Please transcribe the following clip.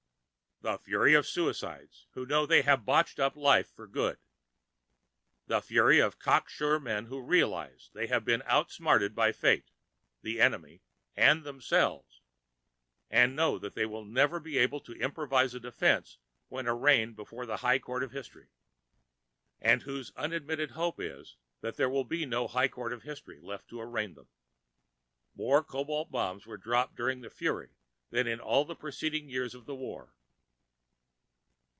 The Fury of suicides who know they have botched up life for good. The Fury of cocksure men who realize they have been outsmarted by fate, the enemy, and themselves, and know that they will never be able to improvise a defense when arraigned before the high court of history and whose unadmitted hope is that there will be no high court of history left to arraign them. More cobalt bombs were dropped during the Fury than in all the preceding years of the war.